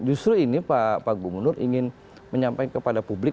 justru ini pak gubernur ingin menyampaikan kepada publik